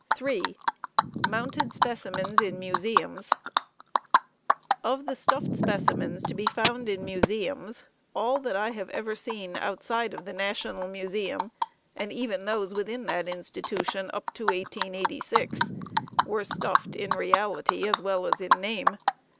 3. Mounted Specimens in Museums. Of the "stuffed" specimens to be found in museums, all that I have ever seen outside of the National Museum and even those within that institution up to 1886, were "stuffed" in reality as well as in name.